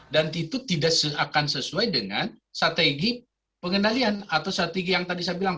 dan itu tidak akan sesuai dengan strategi pengendalian atau strategi yang tadi saya bilang